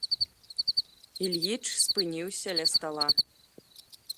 Ільіч спыніўся ля стала.